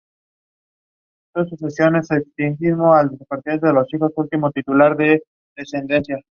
Lew Archer detective privado, se encuentra a sus sesenta años con su último caso.